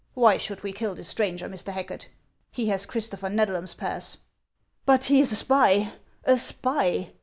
Why should we kill this stranger, Mr. Racket ? He has Christopher Xedlam's pass." " But he is a spy, a spy